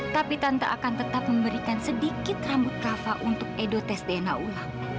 tapi tante akan tetap memberikan sedikit rambut kava untuk edo tes dna ulang